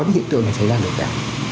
những hiện tượng này xảy ra được cả